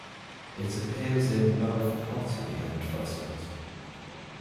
It appears in both pottery and frescoes.